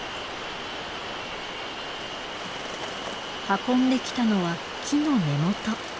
運んできたのは木の根元。